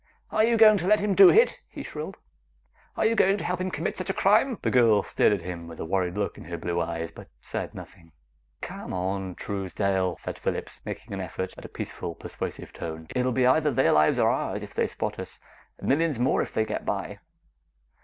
"Are you going to let him do it?" he shrilled. "Are you going to help him commit such a crime?" The girl stared at him with a worried look in her blue eyes but said nothing. "Come on, Truesdale," said Phillips, making an effort at a peaceful, persuasive tone. "It will be either their lives or ours if they spot us and millions more if they get by.